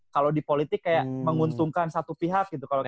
kalau di politik kayak menguntungkan satu pihak gitu